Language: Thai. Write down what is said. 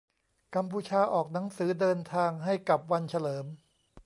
กัมพูชาออกหนังสือเดินทางให้กับวันเฉลิม